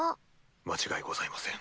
間違いございません。